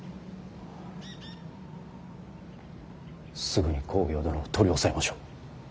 すぐに公暁殿を取り押さえましょう。